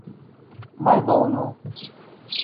malbono